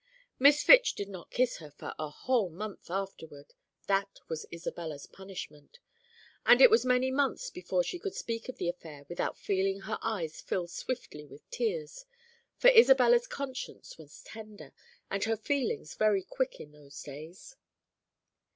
Miss Fitch did not kiss her for a whole month afterward, that was Isabella's punishment, and it was many months before she could speak of the affair without feeling her eyes fill swiftly with tears, for Isabella's conscience was tender, and her feelings very quick in those days.